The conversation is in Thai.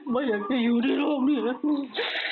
มาอยากจะอยู่ด้วยร่มเนี่ย